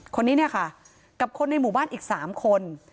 คนนี้เนี่ยค่ะกับคนในหมู่บ้านอีก๓คน